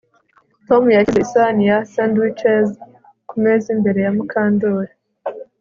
Tom yashyize isahani ya sandwiches kumeza imbere ya Mukandoli